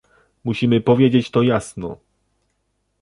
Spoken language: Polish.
Musimy powiedzieć to jasno